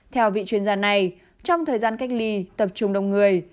theo vị chuyên gia này trong thời gian cách ly tập trung đông người